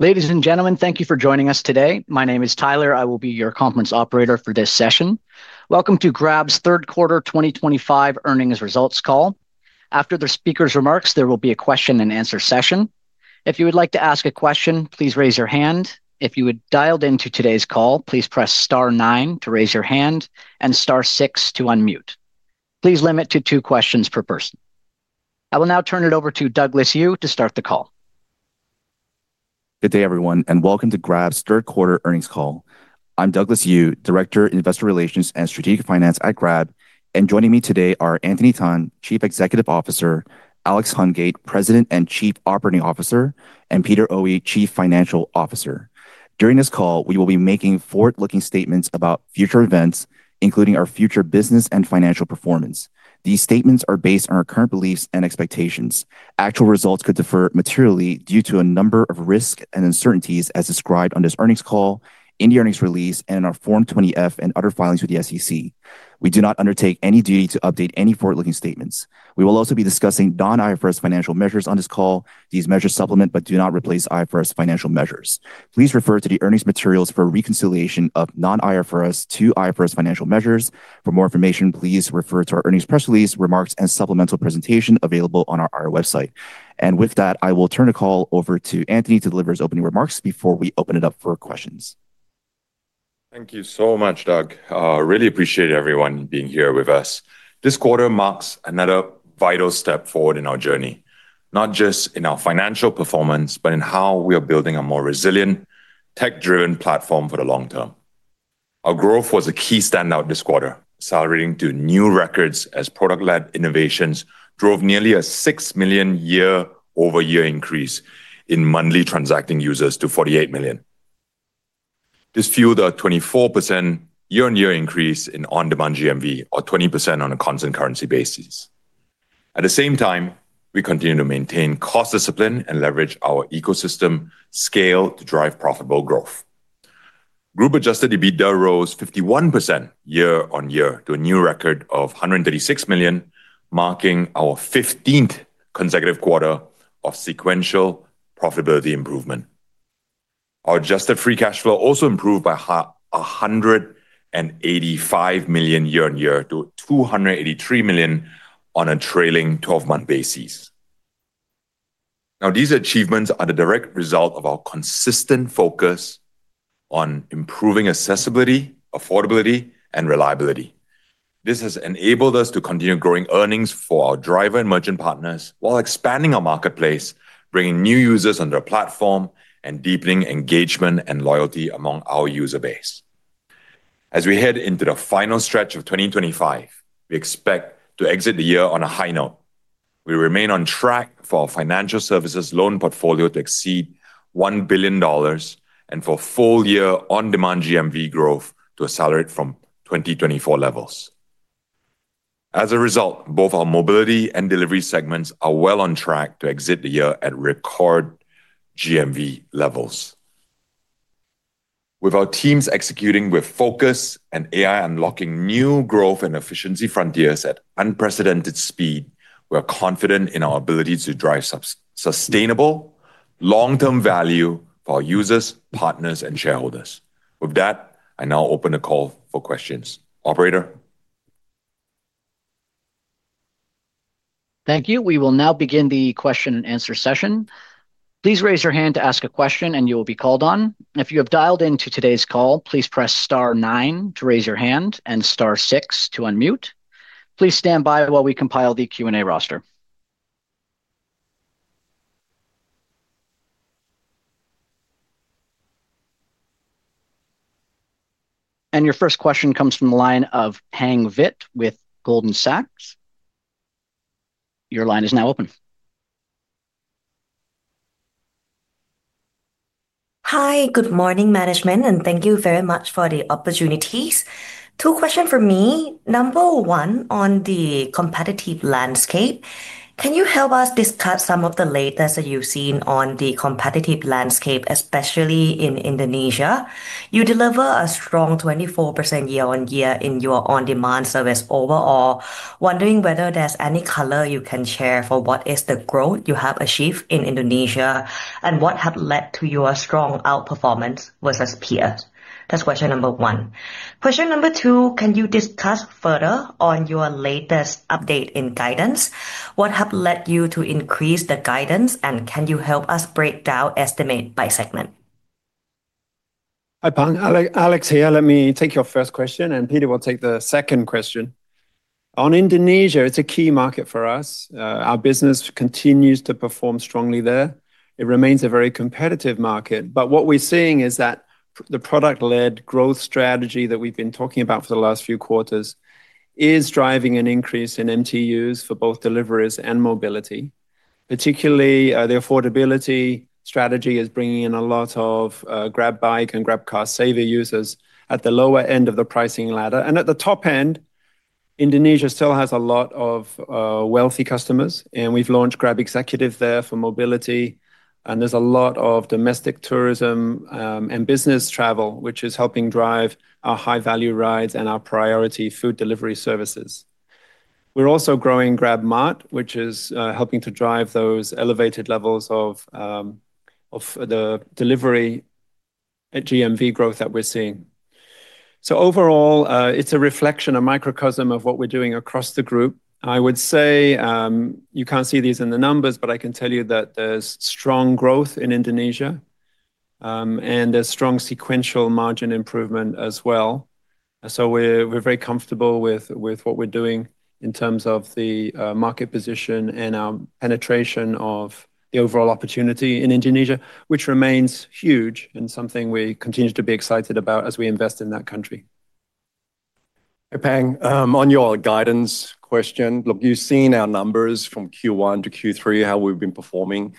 Ladies and gentlemen, thank you for joining us today. My name is Tyler. I will be your conference operator for this session. Welcome to Grab's third quarter 2025 earnings results call. After the speaker's remarks, there will be a question-and-answer session. If you would like to ask a question, please raise your hand. If you had dialed into today's call, please press star nine to raise your hand and star six to unmute. Please limit to two questions per person. I will now turn it over to Douglas Eu to start the call. Good day, everyone, and welcome to Grab's third quarter earnings call. I'm Douglas Eu, Director of Investor Relations and Strategic Finance at Grab. Joining me today are Anthony Tan, Chief Executive Officer; Alex Hungate, President and Chief Operating Officer; and Peter Oey, Chief Financial Officer. During this call, we will be making forward-looking statements about future events, including our future business and financial performance. These statements are based on our current beliefs and expectations. Actual results could differ materially due to a number of risks and uncertainties, as described on this earnings call, in the earnings release, and in our Form 20-F and other fillings with the SEC. We do not undertake any duty to update any forward-looking statements. We will also be discussing non-IFRS financial measures on this call. These measures supplement but do not replace IFRS financial measures. Please refer to the earnings materials for reconciliation of non-IFRS to IFRS financial measures. For more information, please refer to our earnings press release, remarks, and supplemental presentation available on our website. I will turn the call over to Anthony to deliver his opening remarks before we open it up for questions. Thank you so much, Doug. I really appreciate everyone being here with us. This quarter marks another vital step forward in our journey, not just in our financial performance, but in how we are building a more resilient, tech-driven platform for the long term. Our growth was a key standout this quarter, accelerating to new records as product-led innovations drove nearly a 6 million year-over-year increase in monthly transacting users to 48 million. This fueled a 24% year-on-year increase in on-demand GMV, or 20% on a constant currency basis. At the same time, we continue to maintain cost discipline and leverage our ecosystem scale to drive profitable growth. Group adjusted EBITDA rose 51% year-on-year to a new record of $136 million, marking our 15th consecutive quarter of sequential profitability improvement. Our adjusted free cash flow also improved by $185 million year-on-year to $283 million on a trailing 12-month basis. Now, these achievements are the direct result of our consistent focus on improving accessibility, affordability, and reliability. This has enabled us to continue growing earnings for our driver and merchant partners while expanding our marketplace, bringing new users onto the platform, and deepening engagement and loyalty among our user base. As we head into the final stretch of 2025, we expect to exit the year on a high note. We remain on track for our financial services loan portfolio to exceed $1 billion and for full-year on-demand GMV growth to accelerate from 2024 levels. As a result, both our mobility and delivery segments are well on track to exit the year at record GMV levels. With our teams executing with focus and AI unlocking new growth and efficiency frontiers at unprecedented speed, we are confident in our ability to drive sustainable long-term value for our users, partners, and shareholders. With that, I now open the call for questions. Operator. Thank you. We will now begin the question-and-answer session. Please raise your hand to ask a question, and you will be called on. If you have dialed into today's call, please press star nine to raise your hand and star six to unmute. Please stand by while we compile the Q&A roster. Your first question comes from the line of Pang Vit with Goldman Sachs. Your line is now open. Hi, good morning, management, and thank you very much for the opportunities. Two questions for me. Number one, on the competitive landscape, can you help us discuss some of the latest that you've seen on the competitive landscape, especially in Indonesia? You deliver a strong 24% year-on-year in your on-demand service overall. Wondering whether there's any color you can share for what is the growth you have achieved in Indonesia and what has led to your strong outperformance versus peers. That's question number one. Question number two, can you discuss further on your latest update in guidance? What has led you to increase the guidance, and can you help us break down estimate by segment? Hi, Pang. Alex here. Let me take your first question, and Peter will take the second question. On Indonesia, it's a key market for us. Our business continues to perform strongly there. It remains a very competitive market. What we're seeing is that the product-led growth strategy that we've been talking about for the last few quarters is driving an increase in MTUs for both deliveries and mobility. Particularly, the affordability strategy is bringing in a lot of GrabBike and GrabCar Saver users at the lower end of the pricing ladder. At the top end, Indonesia still has a lot of wealthy customers, and we've launched GrabExecutive there for mobility. There's a lot of domestic tourism and business travel, which is helping drive our high-value rides and our priority food delivery services. We're also growing GrabMart, which is helping to drive those elevated levels of delivery GMV growth that we're seeing. Overall, it's a reflection, a microcosm of what we're doing across the group. I would say you can't see these in the numbers, but I can tell you that there's strong growth in Indonesia. There's strong sequential margin improvement as well. We're very comfortable with what we're doing in terms of the market position and our penetration of the overall opportunity in Indonesia, which remains huge and something we continue to be excited about as we invest in that country. Pang, on your guidance question, look, you've seen our numbers from Q1-Q3, how we've been performing.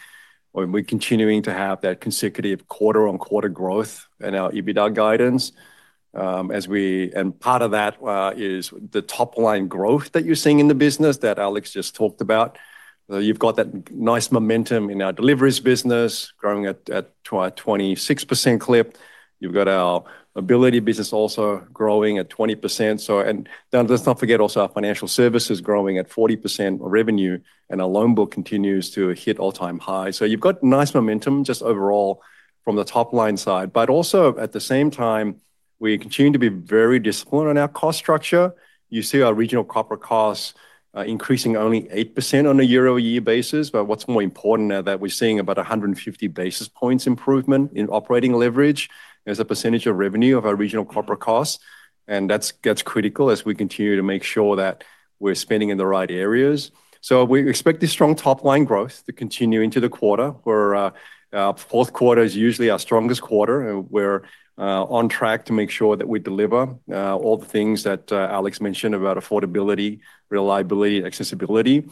We're continuing to have that consecutive quarter-on-quarter growth in our EBITDA guidance. Part of that is the top-line growth that you're seeing in the business that Alex just talked about. You've got that nice momentum in our deliveries business growing at a 26% clip. You've got our mobility business also growing at 20%. Let's not forget also our financial services growing at 40% revenue, and our loan book continues to hit all-time highs. You've got nice momentum just overall from the top-line side. Also, at the same time, we continue to be very disciplined on our cost structure. You see our regional corporate costs increasing only 8% on a year-over-year basis. What's more important is that we're seeing about 150 basis points improvement in operating leverage as a percentage of revenue of our regional corporate costs. That's critical as we continue to make sure that we're spending in the right areas. We expect this strong top-line growth to continue into the quarter. Our fourth quarter is usually our strongest quarter, and we're on track to make sure that we deliver all the things that Alex mentioned about affordability, reliability, and accessibility.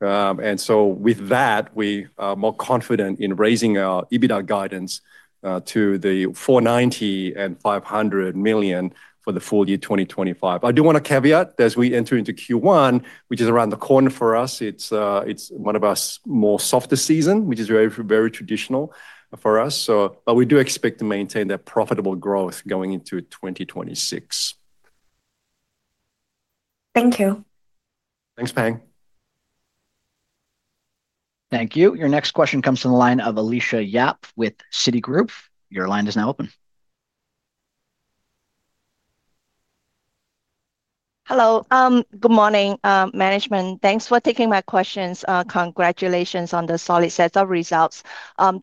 With that, we are more confident in raising our EBITDA guidance to the $490 million-$500 million for the full year 2025. I do want to caveat that as we enter into Q1, which is around the corner for us, it's one of our more softer seasons, which is very traditional for us. We do expect to maintain that profitable growth going into 2026. Thank you. Thanks, Pang. Thank you. Your next question comes from the line of Alicia Yap with Citigroup. Your line is now open. Hello. Good morning, management. Thanks for taking my questions. Congratulations on the solid set of results.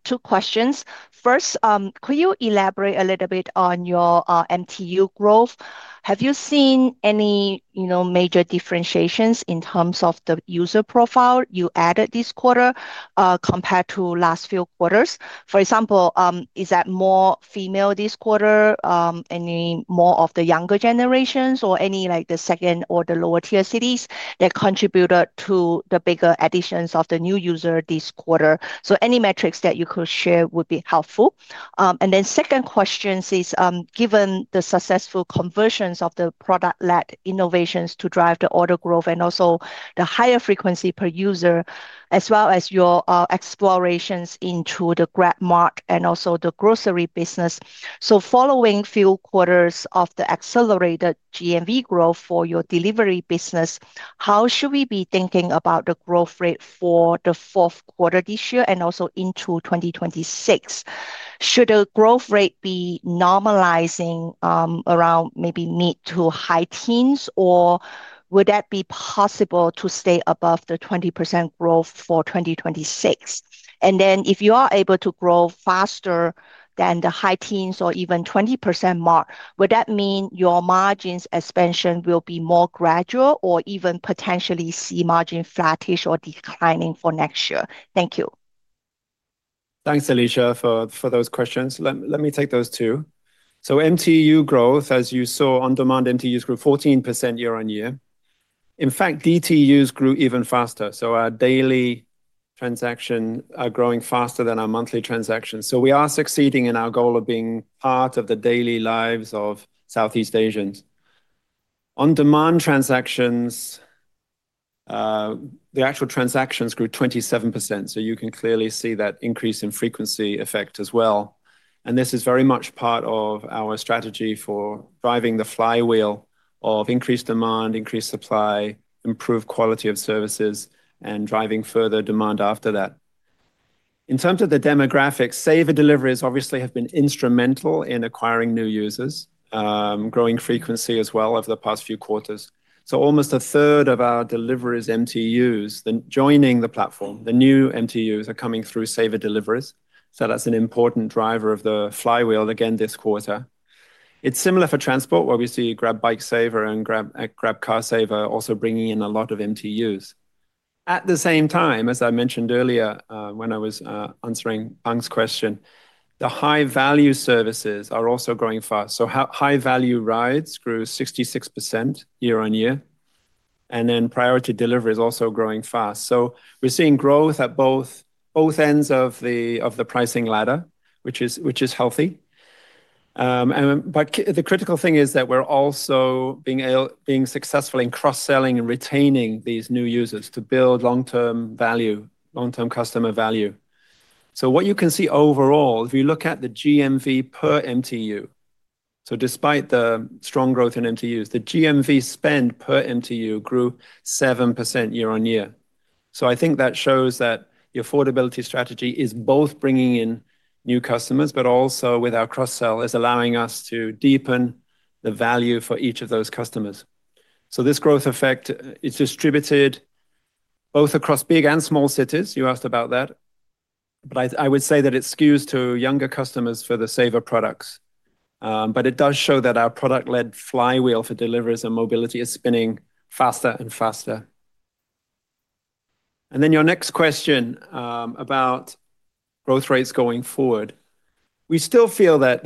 Two questions. First, could you elaborate a little bit on your MTU growth? Have you seen any major differentiations in terms of the user profile you added this quarter compared to last few quarters? For example, is that more female this quarter, any more of the younger generations, or any like the second or the lower-tier cities that contributed to the bigger additions of the new user this quarter? Any metrics that you could share would be helpful. The second question is, given the successful conversions of the product-led innovations to drive the order growth and also the higher frequency per user, as well as your explorations into the GrabMart and also the grocery business, following few quarters of the accelerated GMV growth for your delivery business, how should we be thinking about the growth rate for the fourth quarter this year and also into 2026? Should the growth rate be normalizing around maybe mid to high teens, or would that be possible to stay above the 20% growth for 2026? If you are able to grow faster than the high teens or even 20% mark, would that mean your margins expansion will be more gradual or even potentially see margin flattish or declining for next year? Thank you. Thanks, Alicia, for those questions. Let me take those two. MTU growth, as you saw, on-demand MTUs grew 14% year-on-year. In fact, DTUs grew even faster. Our daily transactions are growing faster than our monthly transactions. We are succeeding in our goal of being part of the daily lives of Southeast Asians. On-demand transactions, the actual transactions, grew 27%. You can clearly see that increase in frequency effect as well. This is very much part of our strategy for driving the flywheel of increased demand, increased supply, improved quality of services, and driving further demand after that. In terms of the demographics, saver deliveries obviously have been instrumental in acquiring new users, growing frequency as well over the past few quarters. Almost a third of our deliveries MTUs joining the platform, the new MTUs, are coming through saver deliveries. That is an important driver of the flywheel again this quarter. It is similar for transport, where we see GrabBike Saver and GrabCar Saver also bringing in a lot of MTUs. At the same time, as I mentioned earlier when I was answering Pang's question, the high-value services are also growing fast. High-value rides grew 66% year-on-year. Priority delivery is also growing fast. We are seeing growth at both ends of the pricing ladder, which is healthy. The critical thing is that we are also being successful in cross-selling and retaining these new users to build long-term value, long-term customer value. What you can see overall, if you look at the GMV per MTU, despite the strong growth in MTUs, the GMV spend per MTU grew 7% year-on-year. I think that shows that the affordability strategy is both bringing in new customers, but also with our cross-sell is allowing us to deepen the value for each of those customers. This growth effect, it is distributed both across big and small cities. You asked about that. I would say that it skews to younger customers for the saver products. It does show that our product-led flywheel for deliveries and mobility is spinning faster and faster. Your next question about growth rates going forward. We still feel that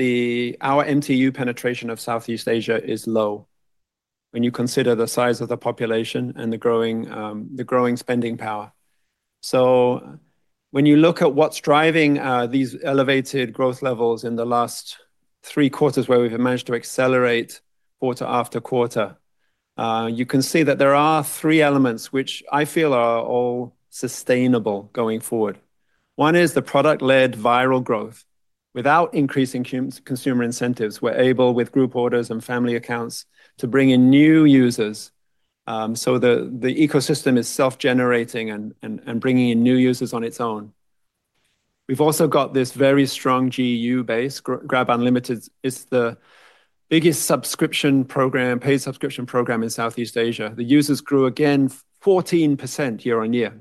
our MTU penetration of Southeast Asia is low when you consider the size of the population and the growing spending power. When you look at what is driving these elevated growth levels in the last three quarters where we have managed to accelerate quarter after quarter, you can see that there are three elements which I feel are all sustainable going forward. One is the product-led viral growth. Without increasing consumer incentives, we are able, with group orders and family accounts, to bring in new users. The ecosystem is self-generating and bringing in new users on its own. We have also got this very strong GU base. GrabUnlimited is the biggest subscription program, paid subscription program in Southeast Asia. The users grew again 14% year-on-year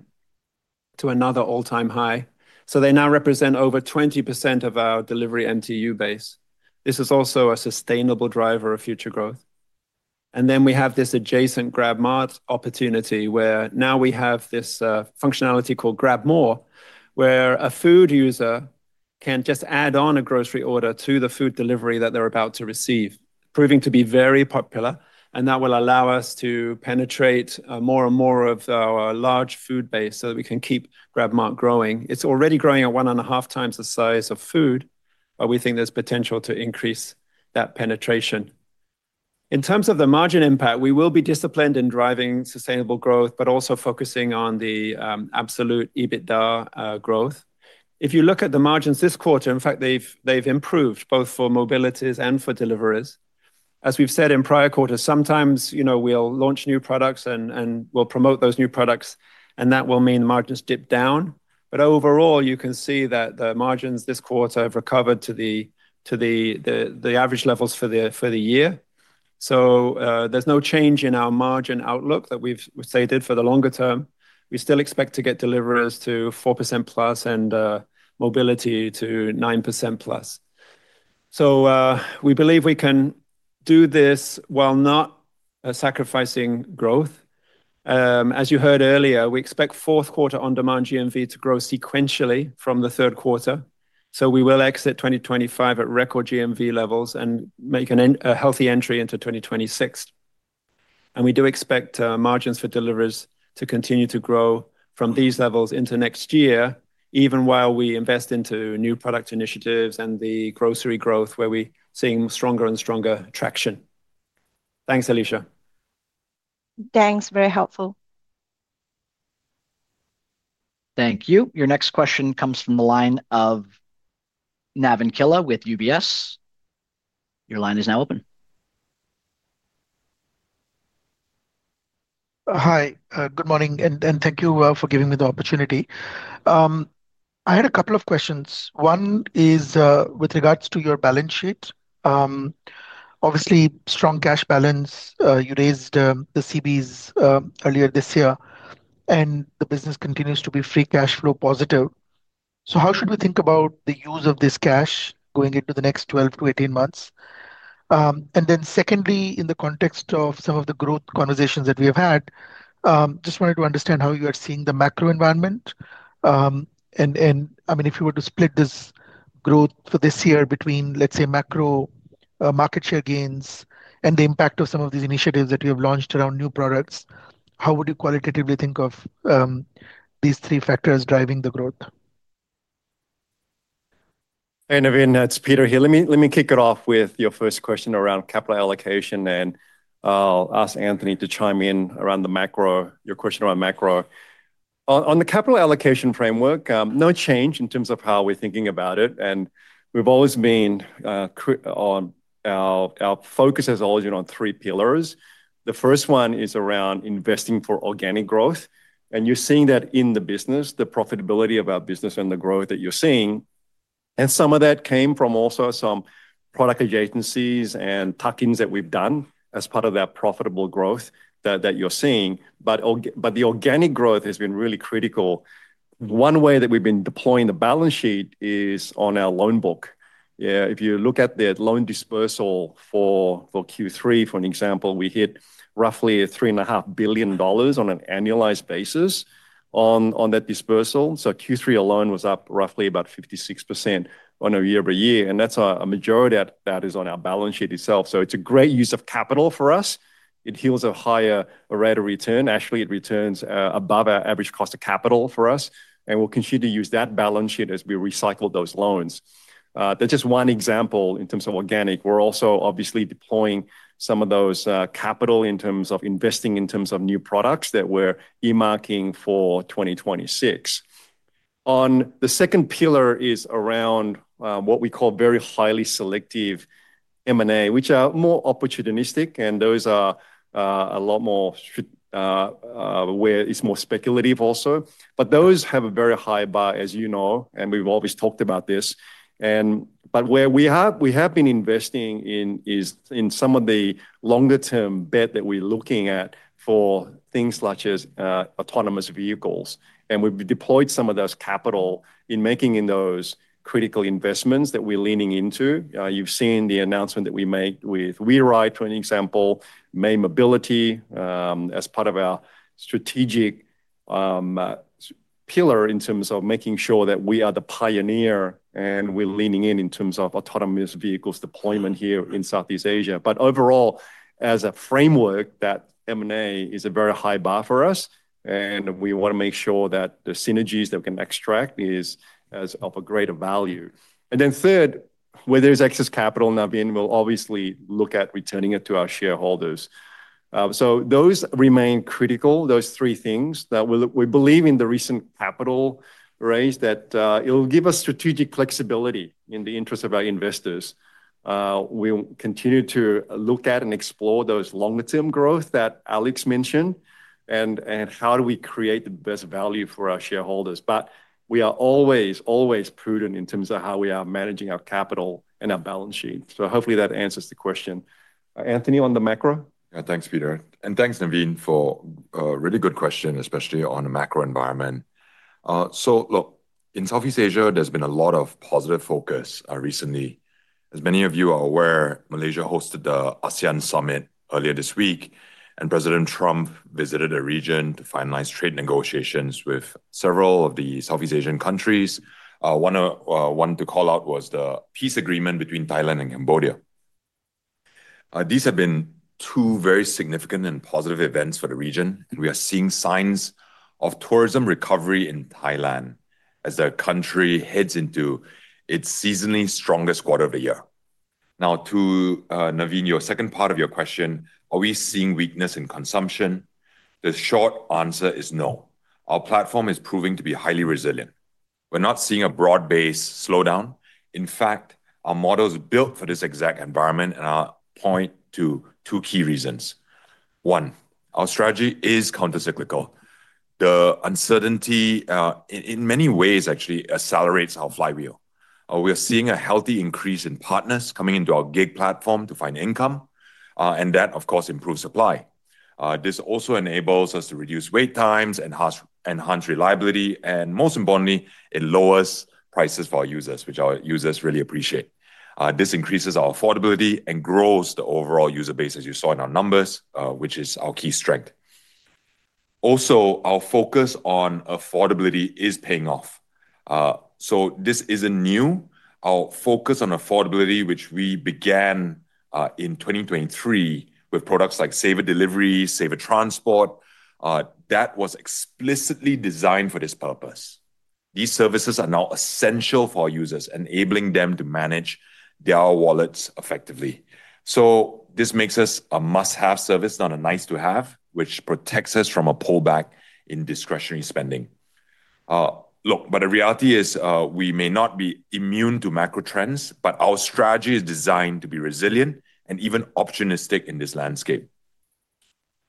to another all-time high. They now represent over 20% of our delivery MTU base. This is also a sustainable driver of future growth. We have this adjacent GrabMart opportunity where now we have this functionality called GrabMore, where a food user can just add on a grocery order to the food delivery that they're about to receive, proving to be very popular. That will allow us to penetrate more and more of our large food base so that we can keep GrabMart growing. It's already growing at one and a half times the size of food, but we think there's potential to increase that penetration. In terms of the margin impact, we will be disciplined in driving sustainable growth, but also focusing on the absolute EBITDA growth. If you look at the margins this quarter, in fact, they've improved both for mobilities and for deliveries. As we've said in prior quarters, sometimes we'll launch new products and we'll promote those new products, and that will mean the margins dip down. Overall, you can see that the margins this quarter have recovered to the average levels for the year. There's no change in our margin outlook that we've stated for the longer term. We still expect to get deliveries to 4% plus and mobility to 9% plus. We believe we can do this while not sacrificing growth. As you heard earlier, we expect fourth quarter on-demand GMV to grow sequentially from the third quarter. We will exit 2025 at record GMV levels and make a healthy entry into 2026. We do expect margins for deliveries to continue to grow from these levels into next year, even while we invest into new product initiatives and the grocery growth where we're seeing stronger and stronger traction. Thanks, Alicia. Thanks. Very helpful. Thank you. Your next question comes from the line of Navin Killa with UBS. Your line is now open. Hi. Good morning. Thank you for giving me the opportunity. I had a couple of questions. One is with regards to your balance sheet. Obviously, strong cash balance. You raised the CBs earlier this year, and the business continues to be free cash flow positive. How should we think about the use of this cash going into the next 12-18 months? Secondly, in the context of some of the growth conversations that we have had, I just wanted to understand how you are seeing the macro environment. I mean, if you were to split this growth for this year between, let's say, macro, market share gains, and the impact of some of these initiatives that you have launched around new products, how would you qualitatively think of these three factors driving the growth? Hey, Navin. That's Peter here. Let me kick it off with your first question around capital allocation. I'll ask Anthony to chime in around your question around macro. On the capital allocation framework, no change in terms of how we're thinking about it. We've always been. Our focus has always been on three pillars. The first one is around investing for organic growth. You're seeing that in the business, the profitability of our business and the growth that you're seeing. Some of that came from also some product adjacencies and tuck-ins that we've done as part of that profitable growth that you're seeing. The organic growth has been really critical. One way that we've been deploying the balance sheet is on our loan book. If you look at the loan dispersal for Q3, for an example, we hit roughly $3.5 billion on an annualized basis on that dispersal. Q3 alone was up roughly about 56% on a year-over-year. A majority of that is on our balance sheet itself. It's a great use of capital for us. It yields a higher rate of return. Actually, it returns above our average cost of capital for us. We'll continue to use that balance sheet as we recycle those loans. That's just one example in terms of organic. We're also obviously deploying some of those capital in terms of investing in terms of new products that we're earmarking for 2026. The second pillar is around what we call very highly selective M&A, which are more opportunistic. Those are a lot more. Where it's more speculative also. Those have a very high bar, as you know. We've always talked about this. Where we have been investing in is in some of the longer-term bet that we're looking at for things such as autonomous vehicles. We've deployed some of those capital in making those critical investments that we're leaning into. You've seen the announcement that we made with WeRide, for an example, made mobility as part of our strategic pillar in terms of making sure that we are the pioneer and we're leaning in in terms of autonomous vehicles deployment here in Southeast Asia. Overall, as a framework, that M&A is a very high bar for us. We want to make sure that the synergies that we can extract are of a greater value. Third, where there's excess capital, Navin will obviously look at returning it to our shareholders. Those remain critical, those three things. We believe in the recent capital raise that it'll give us strategic flexibility in the interest of our investors. We will continue to look at and explore those longer-term growth that Alex mentioned and how do we create the best value for our shareholders. We are always, always prudent in terms of how we are managing our capital and our balance sheet. Hopefully that answers the question. Anthony, on the macro? Yeah, thanks, Peter. And thanks, Navin, for a really good question, especially on a macro environment. Look, in Southeast Asia, there's been a lot of positive focus recently. As many of you are aware, Malaysia hosted the ASEAN Summit earlier this week. President Trump visited the region to finalize trade negotiations with several of the Southeast Asian countries. One to call out was the peace agreement between Thailand and Cambodia. These have been two very significant and positive events for the region. We are seeing signs of tourism recovery in Thailand as the country heads into its seasonally strongest quarter of the year. Now, to Navin, your second part of your question, are we seeing weakness in consumption? The short answer is no. Our platform is proving to be highly resilient. We're not seeing a broad-based slowdown. In fact, our model is built for this exact environment and I point to two key reasons. One, our strategy is countercyclical. The uncertainty, in many ways, actually accelerates our flywheel. We are seeing a healthy increase in partners coming into our gig platform to find income. That, of course, improves supply. This also enables us to reduce wait times and enhance reliability. Most importantly, it lowers prices for our users, which our users really appreciate. This increases our affordability and grows the overall user base, as you saw in our numbers, which is our key strength. Also, our focus on affordability is paying off. This isn't new. Our focus on affordability, which we began in 2023 with products like Saver Delivery, Saver Transport, was explicitly designed for this purpose. These services are now essential for our users, enabling them to manage their wallets effectively. This makes us a must-have service, not a nice-to-have, which protects us from a pullback in discretionary spending. The reality is we may not be immune to macro trends, but our strategy is designed to be resilient and even optimistic in this landscape.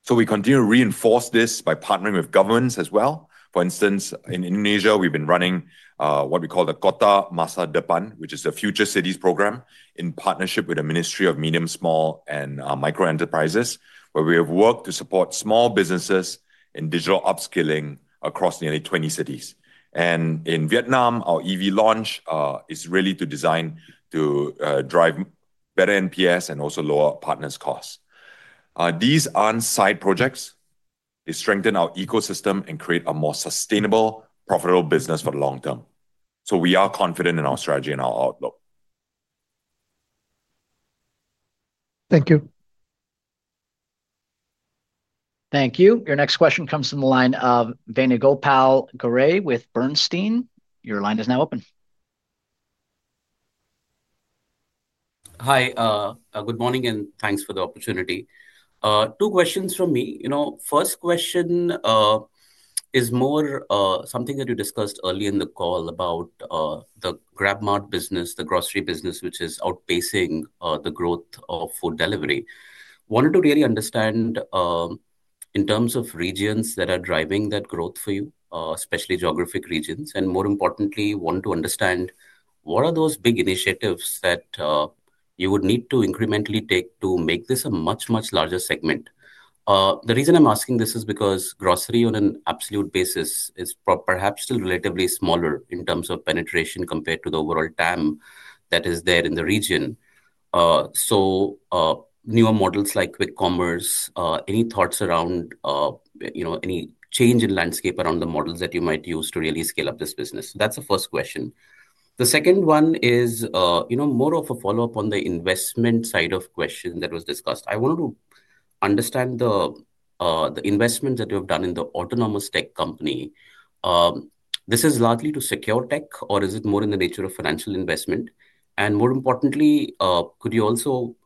We continue to reinforce this by partnering with governments as well. For instance, in Indonesia, we've been running what we call the Kota Masa Depan, which is the Future Cities program in partnership with the Ministry of Medium, Small, and Micro Enterprises, where we have worked to support small businesses in digital upskilling across nearly 20 cities. In Vietnam, our EV launch is really designed to drive better NPS and also lower partners' costs. These aren't side projects. They strengthen our ecosystem and create a more sustainable, profitable business for the long term. We are confident in our strategy and our outlook. Thank you. Thank you. Your next question comes from the line of Venugopal Garre with Bernstein. Your line is now open. Hi. Good morning and thanks for the opportunity. Two questions from me. First question. Is more something that you discussed early in the call about the GrabMart business, the grocery business, which is outpacing the growth of food delivery. Wanted to really understand. In terms of regions that are driving that growth for you, especially geographic regions. More importantly, want to understand what are those big initiatives that you would need to incrementally take to make this a much, much larger segment. The reason I'm asking this is because grocery, on an absolute basis, is perhaps still relatively smaller in terms of penetration compared to the overall TAM that is there in the region. Newer models like Quick Commerce, any thoughts around any change in landscape around the models that you might use to really scale up this business? That's the first question. The second one is more of a follow-up on the investment side of the question that was discussed. I wanted to understand the investments that you have done in the autonomous tech company. This is largely to secure tech, or is it more in the nature of financial investment? More importantly, could you also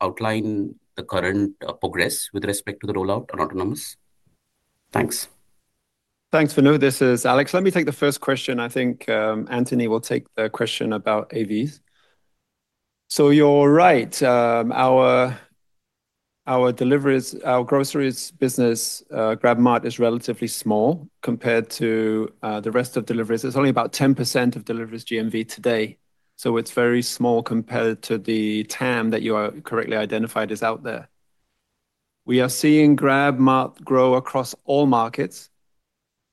outline the current progress with respect to the rollout on autonomous? Thanks. Thanks, Vanu. This is Alex. Let me take the first question. I think Anthony will take the question about AVs. You're right. Our groceries business, GrabMart, is relatively small compared to the rest of deliveries. It's only about 10% of deliveries GMV today. It's very small compared to the TAM that you correctly identified is out there. We are seeing GrabMart grow across all markets.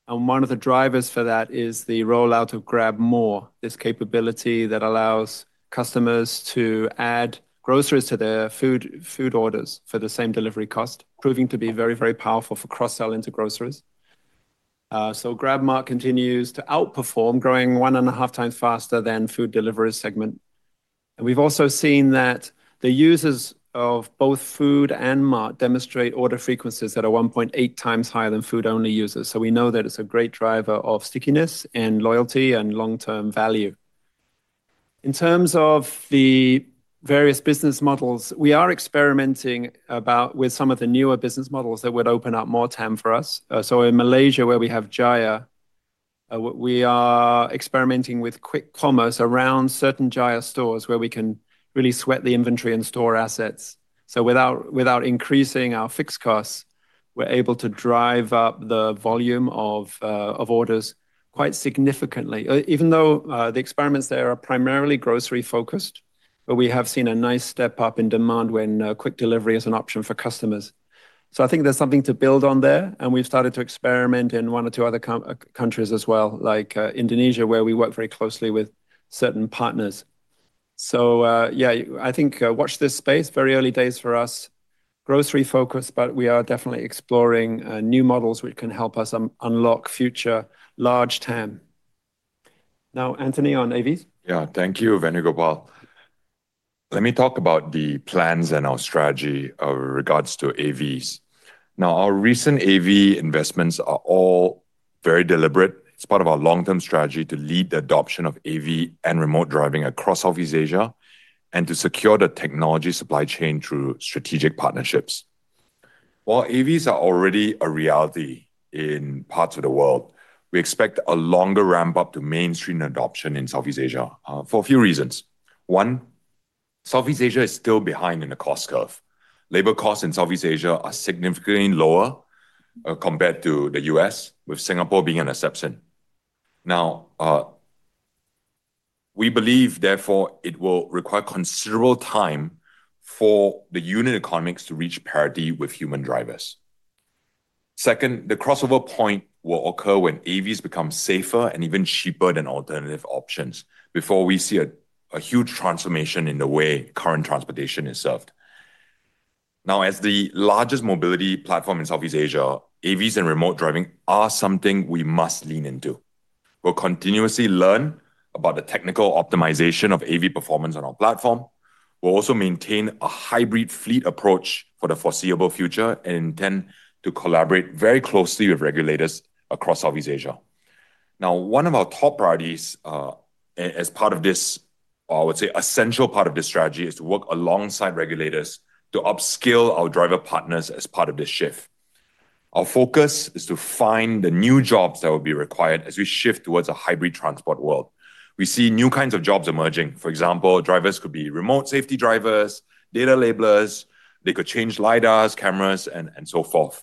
One of the drivers for that is the rollout of Grab More, this capability that allows customers to add groceries to their food orders for the same delivery cost, proving to be very, very powerful for cross-sell into groceries. GrabMart continues to outperform, growing one and a half times faster than the food delivery segment. We've also seen that the users of both food and Mart demonstrate order frequencies that are 1.8 times higher than food-only users. We know that it's a great driver of stickiness and loyalty and long-term value. In terms of the various business models, we are experimenting with some of the newer business models that would open up more TAM for us. In Malaysia, where we have Jaya, we are experimenting with Quick Commerce around certain Jaya stores where we can really sweat the inventory and store assets. Without increasing our fixed costs, we're able to drive up the volume of orders quite significantly. Even though the experiments there are primarily grocery-focused, we have seen a nice step up in demand when quick delivery is an option for customers. I think there's something to build on there. We've started to experiment in one or two other countries as well, like Indonesia, where we work very closely with certain partners. Yeah, I think watch this space. Very early days for us. Grocery-focused, but we are definitely exploring new models which can help us unlock future large TAM. Now, Anthony, on AVs? Yeah, thank you, Venugopal. Let me talk about the plans and our strategy with regards to AVs. Now, our recent AV investments are all very deliberate. It's part of our long-term strategy to lead the adoption of AV and remote driving across Southeast Asia and to secure the technology supply chain through strategic partnerships. While AVs are already a reality in parts of the world, we expect a longer ramp-up to mainstream adoption in Southeast Asia for a few reasons. One, Southeast Asia is still behind in the cost curve. Labor costs in Southeast Asia are significantly lower compared to the U.S., with Singapore being an exception. Now, we believe, therefore, it will require considerable time for the unit economics to reach parity with human drivers. Second, the crossover point will occur when AVs become safer and even cheaper than alternative options before we see a huge transformation in the way current transportation is served. Now, as the largest mobility platform in Southeast Asia, AVs and remote driving are something we must lean into. We'll continuously learn about the technical optimization of AV performance on our platform. We'll also maintain a hybrid fleet approach for the foreseeable future and intend to collaborate very closely with regulators across Southeast Asia. Now, one of our top priorities. As part of this, I would say essential part of this strategy is to work alongside regulators to upskill our driver partners as part of this shift. Our focus is to find the new jobs that will be required as we shift towards a hybrid transport world. We see new kinds of jobs emerging. For example, drivers could be remote safety drivers, data labelers. They could change LiDARs, cameras, and so forth.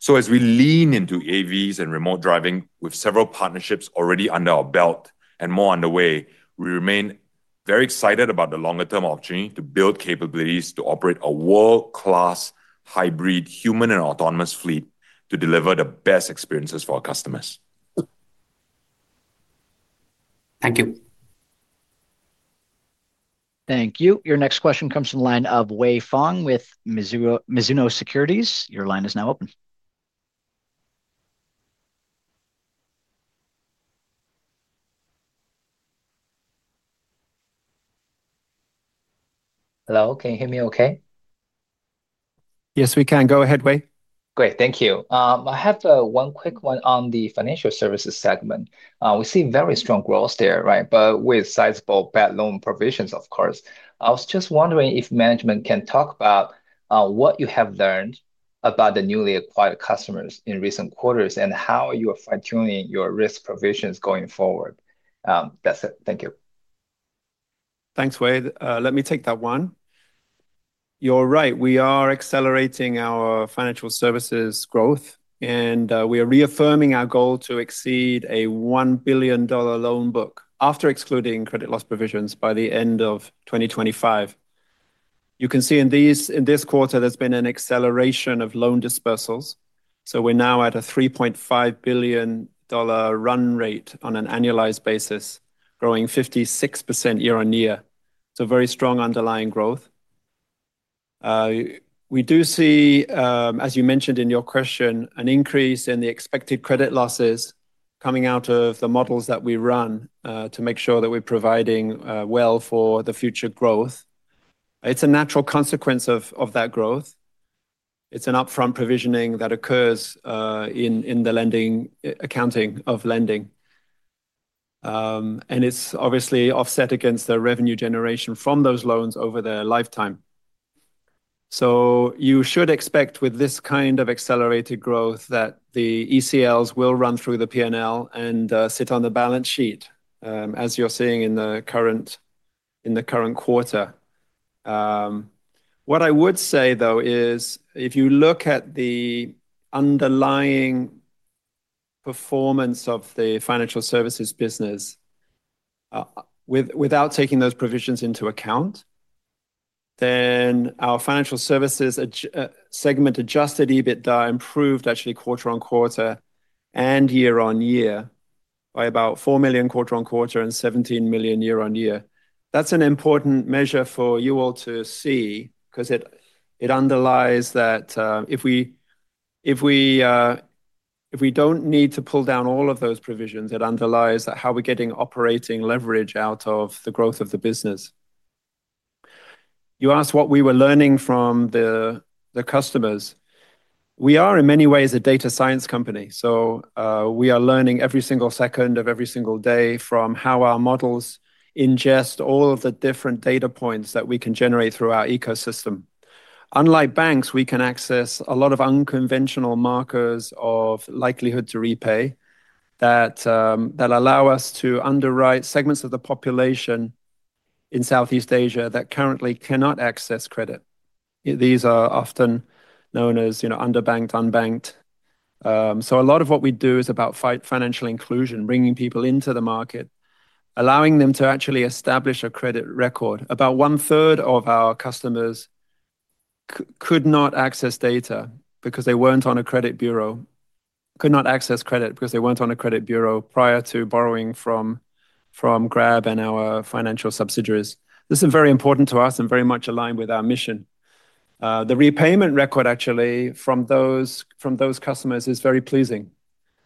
So as we lean into AVs and remote driving with several partnerships already under our belt and more underway, we remain very excited about the longer-term opportunity to build capabilities to operate a world-class hybrid human and autonomous fleet to deliver the best experiences for our customers. Thank you. Thank you. Your next question comes from the line of Wei Fang with Mizuho Securities. Your line is now open. Hello. Can you hear me okay? Yes, we can. Go ahead, Wei. Great. Thank you. I have one quick one on the financial services segment. We see very strong growth there, right? With sizable bad loan provisions, of course. I was just wondering if management can talk about what you have learned about the newly acquired customers in recent quarters and how you are fine-tuning your risk provisions going forward. That's it. Thank you. Thanks, Wei. Let me take that one. You're right. We are accelerating our financial services growth, and we are reaffirming our goal to exceed a $1 billion loan book after excluding credit loss provisions by the end of 2025. You can see in this quarter there's been an acceleration of loan dispersals. We're now at a $3.5 billion run rate on an annualized basis, growing 56% year on year. Very strong underlying growth. We do see, as you mentioned in your question, an increase in the expected credit losses coming out of the models that we run to make sure that we're providing well for the future growth. It's a natural consequence of that growth. It's an upfront provisioning that occurs in the accounting of lending. It's obviously offset against the revenue generation from those loans over their lifetime. You should expect with this kind of accelerated growth that the ECLs will run through the P&L and sit on the balance sheet, as you're seeing in the current quarter. What I would say, though, is if you look at the underlying performance of the financial services business without taking those provisions into account, then our financial services segment adjusted EBITDA improved actually quarter on quarter and year on year by about $4 million quarter-on-quarter and $17 million year-on-year. That's an important measure for you all to see because it underlies that if we don't need to pull down all of those provisions, it underlies how we're getting operating leverage out of the growth of the business. You asked what we were learning from the customers. We are, in many ways, a data science company. We are learning every single second of every single day from how our models ingest all of the different data points that we can generate through our ecosystem. Unlike banks, we can access a lot of unconventional markers of likelihood to repay that allow us to underwrite segments of the population in Southeast Asia that currently cannot access credit. These are often known as underbanked, unbanked. A lot of what we do is about financial inclusion, bringing people into the market, allowing them to actually establish a credit record. About one-third of our customers could not access credit because they weren't on a credit bureau prior to borrowing from Grab and our financial subsidiaries. This is very important to us and very much aligned with our mission. The repayment record actually from those customers is very pleasing.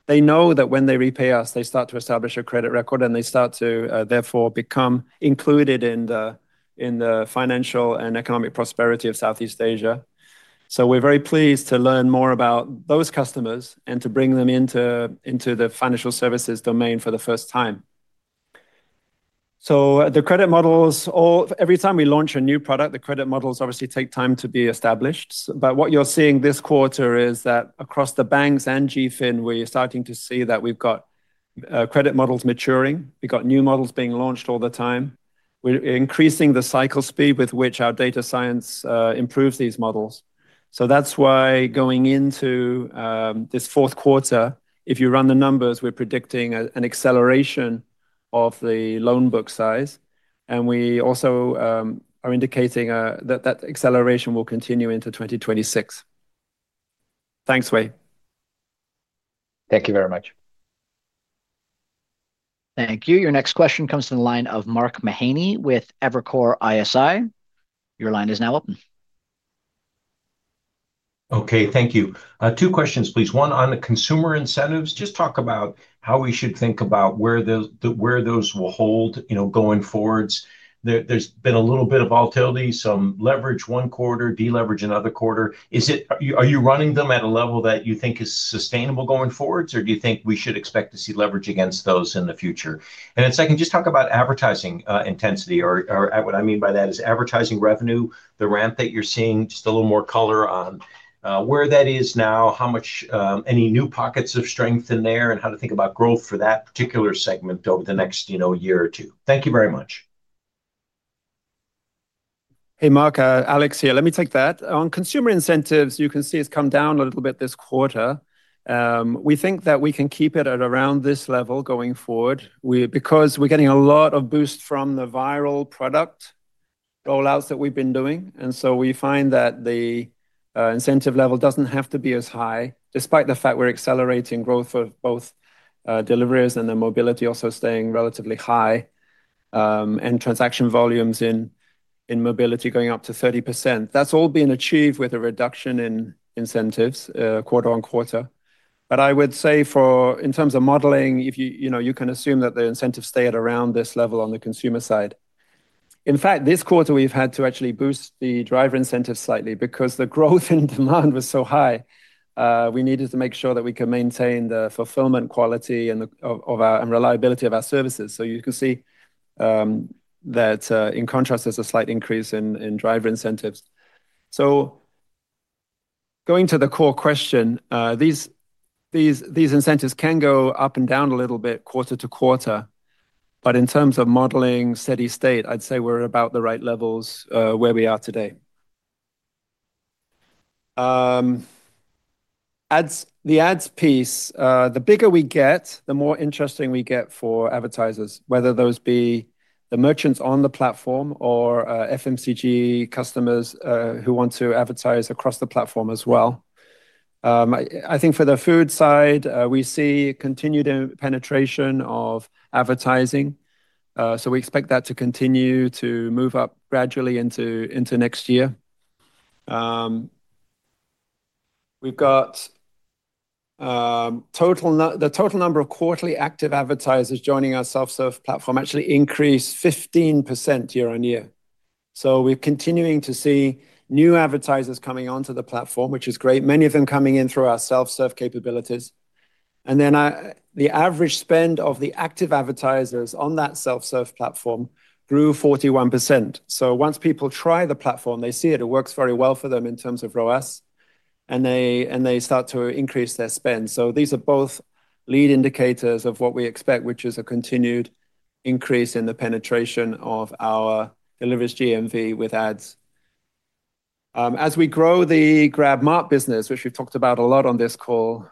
They know that when they repay us, they start to establish a credit record and they start to therefore become included in the financial and economic prosperity of Southeast Asia. We're very pleased to learn more about those customers and to bring them into the financial services domain for the first time. The credit models, every time we launch a new product, the credit models obviously take time to be established. What you're seeing this quarter is that across the banks and GrabFin, we're starting to see that we've got credit models maturing. We've got new models being launched all the time. We're increasing the cycle speed with which our data science improves these models. That's why going into this fourth quarter, if you run the numbers, we're predicting an acceleration of the loan book size. We also are indicating that that acceleration will continue into 2026. Thanks, Wei. Thank you very much. Thank you. Your next question comes from the line of Mark Mahaney with Evercore ISI. Your line is now open. Okay, thank you. Two questions, please. One on the consumer incentives. Just talk about how we should think about where those will hold going forwards. There's been a little bit of volatility, some leverage one quarter, deleverage another quarter. Are you running them at a level that you think is sustainable going forwards, or do you think we should expect to see leverage against those in the future? Second, just talk about advertising intensity. What I mean by that is advertising revenue, the ramp that you're seeing, just a little more color on where that is now, how much any new pockets of strength in there, and how to think about growth for that particular segment over the next year or two. Thank you very much. Hey, Mark, Alex here. Let me take that. On consumer incentives, you can see it's come down a little bit this quarter. We think that we can keep it at around this level going forward because we're getting a lot of boost from the viral product rollouts that we've been doing. We find that the incentive level doesn't have to be as high, despite the fact we're accelerating growth of both deliveries and the mobility also staying relatively high. Transaction volumes in mobility going up to 30%. That's all been achieved with a reduction in incentives quarter-on-quarter. I would say in terms of modeling, you can assume that the incentives stay at around this level on the consumer side. In fact, this quarter, we've had to actually boost the driver incentives slightly because the growth in demand was so high. We needed to make sure that we could maintain the fulfillment quality and reliability of our services. You can see that in contrast, there's a slight increase in driver incentives. Going to the core question, these incentives can go up and down a little bit quarter to quarter. In terms of modeling steady state, I'd say we're about the right levels where we are today. The ads piece, the bigger we get, the more interesting we get for advertisers, whether those be the merchants on the platform or FMCG customers who want to advertise across the platform as well. I think for the food side, we see continued penetration of advertising. We expect that to continue to move up gradually into next year. We've got the total number of quarterly active advertisers joining our self-serve platform actually increased 15% year on year. We're continuing to see new advertisers coming onto the platform, which is great, many of them coming in through our self-serve capabilities. The average spend of the active advertisers on that self-serve platform grew 41%. Once people try the platform, they see it, it works very well for them in terms of ROAS, and they start to increase their spend. These are both lead indicators of what we expect, which is a continued increase in the penetration of our deliveries GMV with ads. As we grow the GrabMart business, which we've talked about a lot on this call,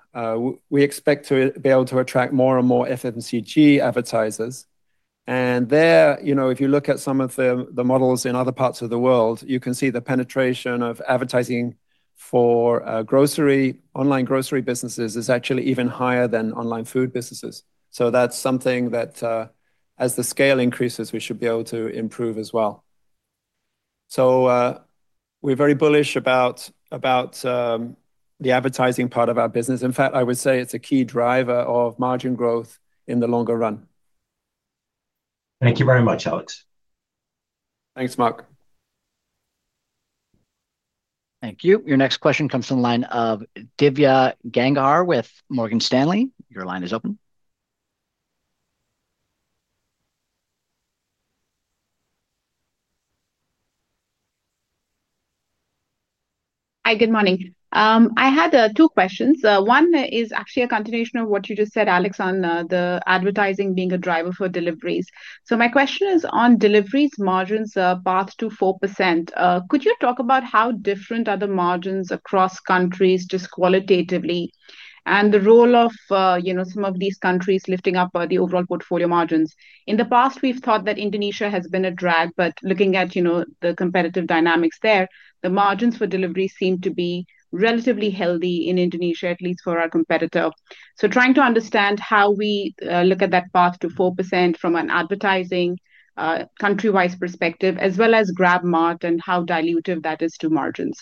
we expect to be able to attract more and more FMCG advertisers. There, if you look at some of the models in other parts of the world, you can see the penetration of advertising for online grocery businesses is actually even higher than online food businesses. That's something that as the scale increases, we should be able to improve as well. We're very bullish about the advertising part of our business. In fact, I would say it's a key driver of margin growth in the longer run. Thank you very much, Alex. Thanks, Mark. Thank you. Your next question comes from the line of Divya Gangahar with Morgan Stanley. Your line is open. Hi, good morning. I had two questions. One is actually a continuation of what you just said, Alex, on the advertising being a driver for deliveries. My question is on deliveries margins path to 4%. Could you talk about how different are the margins across countries just qualitatively and the role of some of these countries lifting up the overall portfolio margins? In the past, we've thought that Indonesia has been a drag, but looking at the competitive dynamics there, the margins for deliveries seem to be relatively healthy in Indonesia, at least for our competitor. Trying to understand how we look at that path to 4% from an advertising country-wide perspective, as well as GrabMart and how dilutive that is to margins.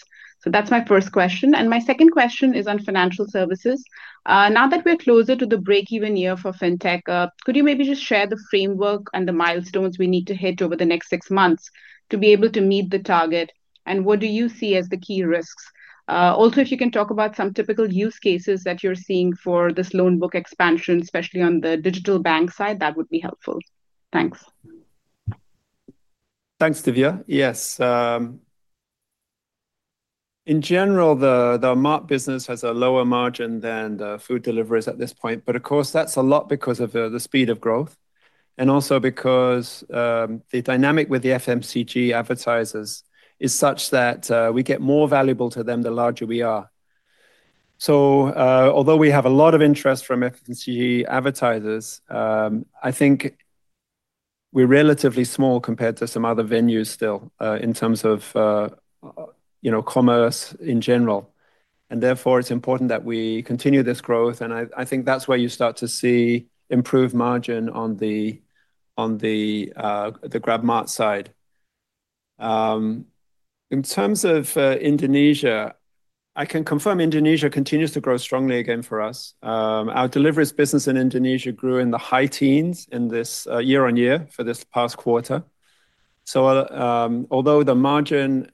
That's my first question. My second question is on financial services. Now that we're closer to the break-even year for fintech, could you maybe just share the framework and the milestones we need to hit over the next six months to be able to meet the target? What do you see as the key risks? Also, if you can talk about some typical use cases that you're seeing for this loan book expansion, especially on the digital bank side, that would be helpful. Thanks. Thanks, Divya. Yes. In general, the Mart business has a lower margin than the food deliveries at this point. Of course, that's a lot because of the speed of growth and also because the dynamic with the FMCG advertisers is such that we get more valuable to them the larger we are. Although we have a lot of interest from FMCG advertisers, I think we're relatively small compared to some other venues still in terms of commerce in general. Therefore, it's important that we continue this growth. I think that's where you start to see improved margin on the GrabMart side. In terms of Indonesia, I can confirm Indonesia continues to grow strongly again for us. Our deliveries business in Indonesia grew in the high teens year on year for this past quarter. Although the margin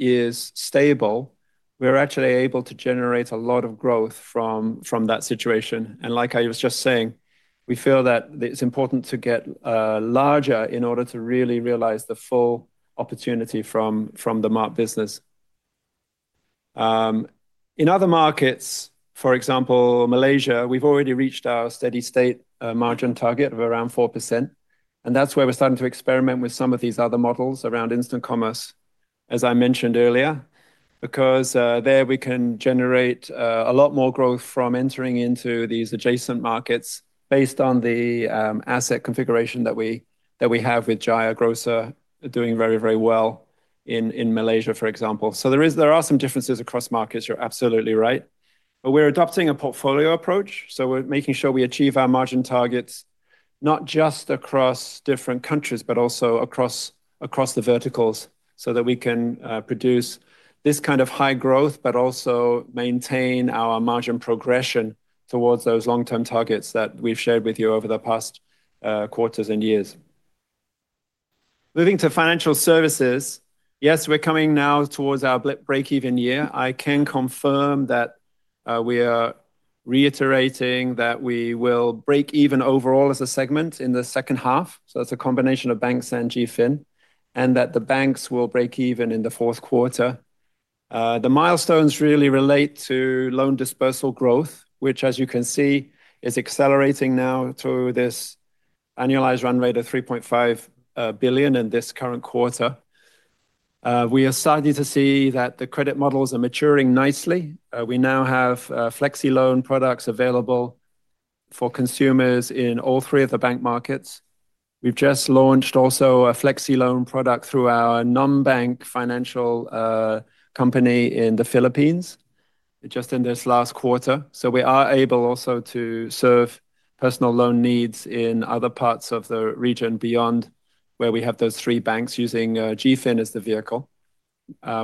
is stable, we're actually able to generate a lot of growth from that situation. Like I was just saying, we feel that it's important to get larger in order to really realize the full opportunity from the Mart business. In other markets, for example, Malaysia, we've already reached our steady state margin target of around 4%. That's where we're starting to experiment with some of these other models around instant commerce, as I mentioned earlier, because there we can generate a lot more growth from entering into these adjacent markets based on the asset configuration that we have with Jaya Grocer doing very, very well in Malaysia, for example. There are some differences across markets, you're absolutely right. We're adopting a portfolio approach. We're making sure we achieve our margin targets not just across different countries, but also across the verticals so that we can produce this kind of high growth, but also maintain our margin progression towards those long-term targets that we've shared with you over the past quarters and years. Moving to financial services, yes, we're coming now towards our break-even year. I can confirm that. We are reiterating that we will break even overall as a segment in the second half. That's a combination of banks and GFIN, and that the banks will break even in the fourth quarter. The milestones really relate to loan dispersal growth, which, as you can see, is accelerating now to this annualized run rate of $3.5 billion in this current quarter. We are starting to see that the credit models are maturing nicely. We now have Flexi Loan products available for consumers in all three of the bank markets. We've just launched also a Flexi Loan product through our non-bank financial company in the Philippines just in this last quarter. We are able also to serve personal loan needs in other parts of the region beyond where we have those three banks using GFIN as the vehicle.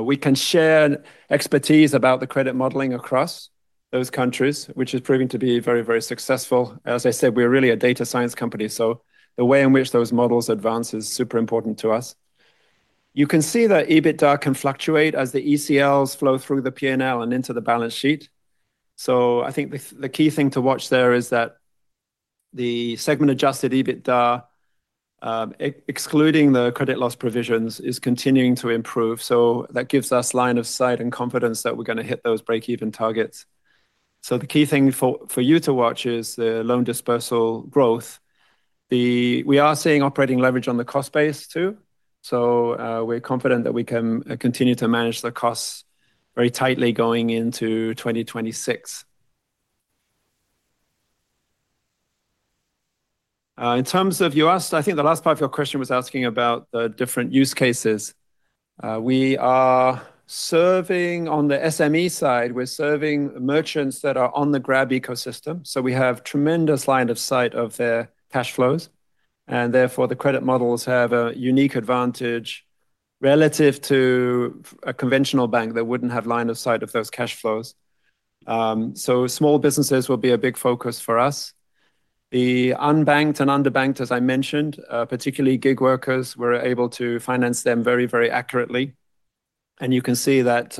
We can share expertise about the credit modeling across those countries, which is proving to be very, very successful. As I said, we're really a data science company. The way in which those models advance is super important to us. You can see that EBITDA can fluctuate as the ECLs flow through the P&L and into the balance sheet. I think the key thing to watch there is that. The segment-adjusted EBITDA, excluding the credit loss provisions, is continuing to improve. That gives us line of sight and confidence that we're going to hit those break-even targets. The key thing for you to watch is the loan dispersal growth. We are seeing operating leverage on the cost base too. We're confident that we can continue to manage the costs very tightly going into 2026. In terms of you asked, I think the last part of your question was asking about the different use cases. We are serving on the SME side. We're serving merchants that are on the Grab ecosystem. We have tremendous line of sight of their cash flows. Therefore, the credit models have a unique advantage relative to a conventional bank that wouldn't have line of sight of those cash flows. Small businesses will be a big focus for us. The unbanked and underbanked, as I mentioned, particularly gig workers, we're able to finance them very, very accurately. You can see that.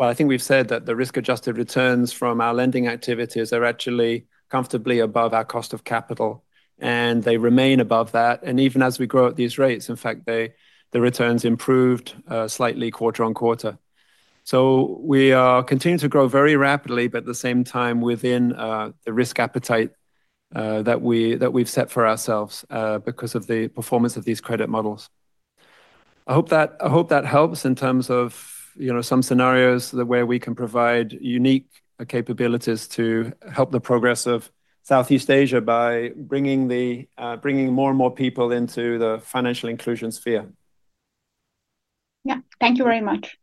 I think we've said that the risk-adjusted returns from our lending activities are actually comfortably above our cost of capital. They remain above that. Even as we grow at these rates, in fact, the returns improved slightly quarter-on-quarter. We are continuing to grow very rapidly, but at the same time within the risk appetite that we've set for ourselves because of the performance of these credit models. I hope that helps in terms of some scenarios where we can provide unique capabilities to help the progress of Southeast Asia by bringing more and more people into the financial inclusion sphere. Yeah, thank you very much.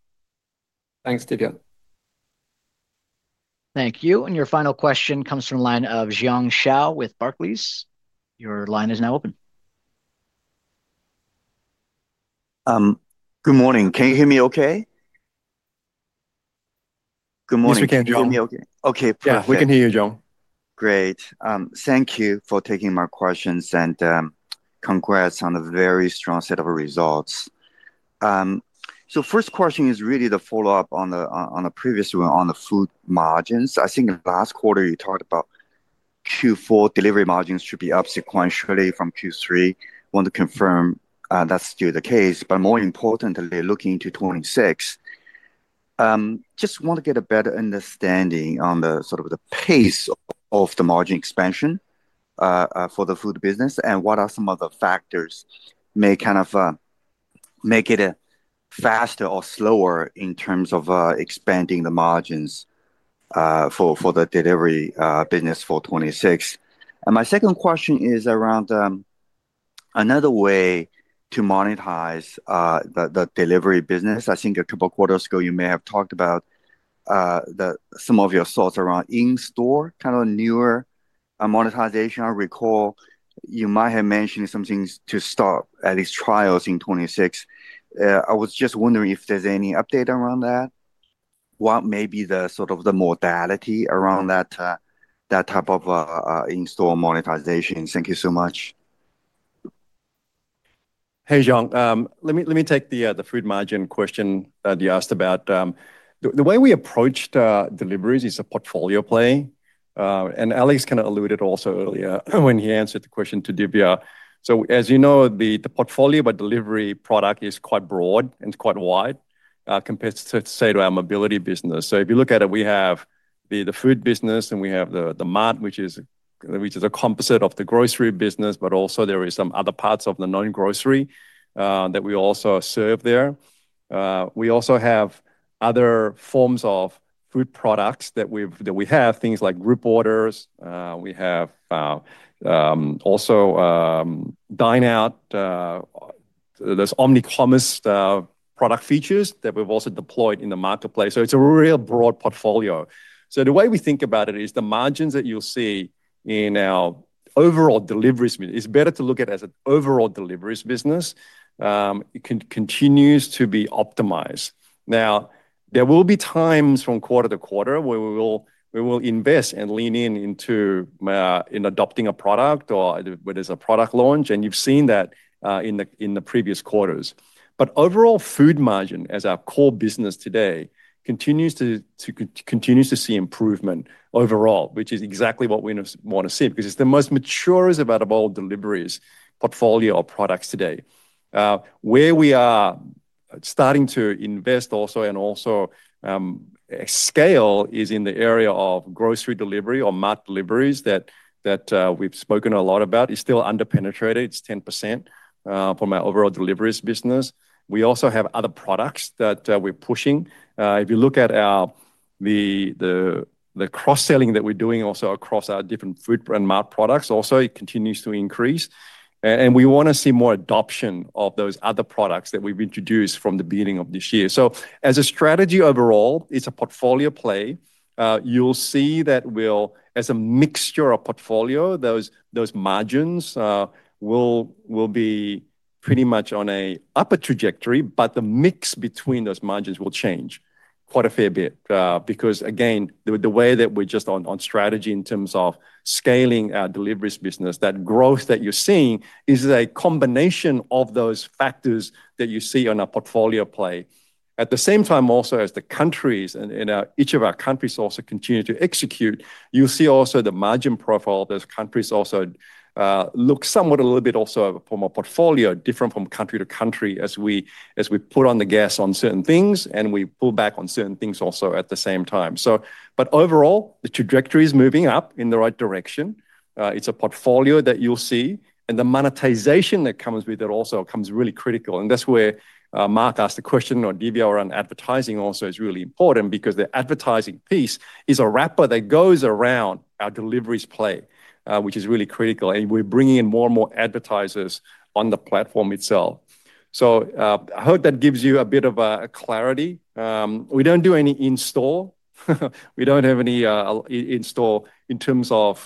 Thanks, Divya. Thank you. Your final question comes from the line of Jiong Shao with Barclays. Your line is now open. Good morning. Can you hear me okay? Good morning. Yes, we can. Okay. We can hear you, Jiang. Great. Thank you for taking my questions and congrats on a very strong set of results. First question is really the follow-up on the previous one on the food margins. I think last quarter, you talked about Q4 delivery margins should be up sequentially from Q3. I want to confirm that's still the case, but more importantly, looking into 2026. Just want to get a better understanding on the sort of the pace of the margin expansion for the food business and what are some of the factors that may kind of make it faster or slower in terms of expanding the margins for the delivery business for 2026. My second question is around another way to monetize the delivery business. I think a couple of quarters ago, you may have talked about some of your thoughts around in-store kind of newer monetization. I recall you might have mentioned some things to start at least trials in 2026. I was just wondering if there's any update around that, what may be the sort of the modality around that type of in-store monetization? Thank you so much. Hey, Jiang. Let me take the food margin question that you asked about. The way we approached deliveries is a portfolio play. Alex kind of alluded also earlier when he answered the question to Divya. As you know, the portfolio by delivery product is quite broad and quite wide compared to, say, our mobility business. If you look at it, we have the food business and we have the Mart, which is a composite of the grocery business, but also there are some other parts of the non-grocery that we also serve there. We also have other forms of food products that we have, things like group orders. We have also dine-out. There are omnicommerce product features that we've also deployed in the marketplace. It's a real broad portfolio. The way we think about it is the margins that you'll see in our overall deliveries are better to look at as an overall deliveries business. It continues to be optimized. There will be times from quarter to quarter where we will invest and lean into adopting a product or there's a product launch. You've seen that in the previous quarters. Overall food margin as our core business today continues to see improvement overall, which is exactly what we want to see because it's the most mature of our developed deliveries portfolio of products today. Where we are starting to invest also and also scale is in the area of grocery delivery or Mart deliveries that we've spoken a lot about, which is still underpenetrated. It's 10% from our overall deliveries business. We also have other products that we're pushing. If you look at the cross-selling that we're doing also across our different food and Mart products, it continues to increase. We want to see more adoption of those other products that we've introduced from the beginning of this year. As a strategy overall, it's a portfolio play. You'll see that as a mixture of portfolio, those margins will be pretty much on an upper trajectory, but the mix between those margins will change quite a fair bit because, again, the way that we're just on strategy in terms of scaling our deliveries business, that growth that you're seeing is a combination of those factors that you see on our portfolio play. At the same time, as the countries in each of our countries also continue to execute, you'll see also the margin profile of those countries also looks somewhat a little bit also from a portfolio different from country to country as we put on the gas on certain things and we pull back on certain things also at the same time. Overall, the trajectory is moving up in the right direction. It's a portfolio that you'll see. The monetization that comes with it also comes really critical. That's where Mark asked the question or Divya around advertising also is really important because the advertising piece is a wrapper that goes around our deliveries play, which is really critical. We're bringing in more and more advertisers on the platform itself. I hope that gives you a bit of clarity. We don't do any in-store. We don't have any in-store in terms of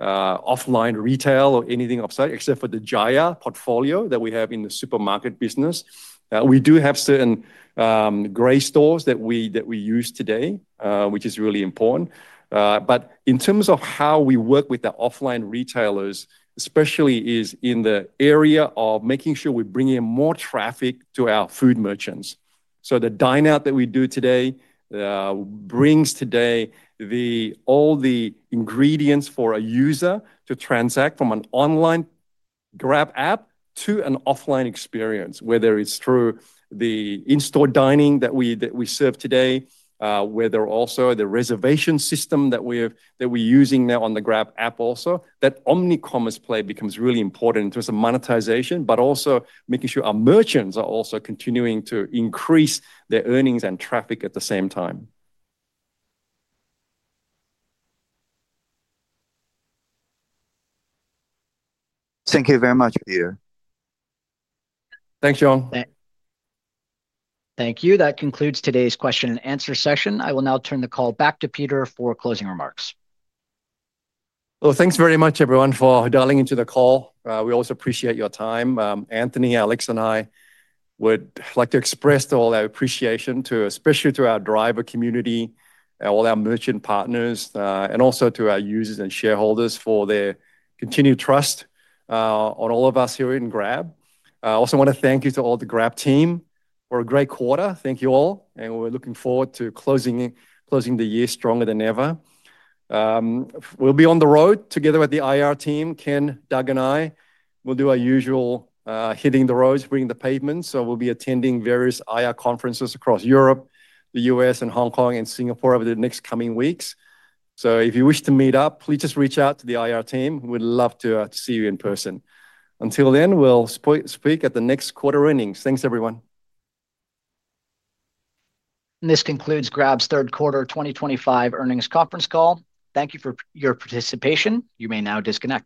offline retail or anything of such except for the Jaya portfolio that we have in the supermarket business. We do have certain gray stores that we use today, which is really important. In terms of how we work with the offline retailers, especially, is in the area of making sure we bring in more traffic to our food merchants. The dine-out that we do today brings all the ingredients for a user to transact from an online Grab app to an offline experience, whether it's through the in-store dining that we serve today, or the reservation system that we're using now on the Grab app also. That omnicommerce play becomes really important in terms of monetization, but also making sure our merchants are also continuing to increase their earnings and traffic at the same time. Thank you very much, Peter. Thanks, Jiang. Thank you. That concludes today's question and answer session. I will now turn the call back to Peter for closing remarks. Thank you very much, everyone, for dialing into the call. We also appreciate your time. Anthony, Alex, and I would like to express all our appreciation, especially to our driver community, all our merchant partners, and also to our users and shareholders for their continued trust in all of us here in Grab. I also want to thank all the Grab team for a great quarter. Thank you all. We are looking forward to closing the year stronger than ever. We will be on the road together with the IR team. Ken, Doug, and I will do our usual hitting the roads, bringing the pavement. We will be attending various IR conferences across Europe, the United States, Hong Kong, and Singapore over the next coming weeks. If you wish to meet up, please just reach out to the IR team. We would love to see you in person. Until then, we will speak at the next quarter earnings. Thanks, everyone. This concludes Grab's third quarter 2025 earnings conference call. Thank you for your participation. You may now disconnect.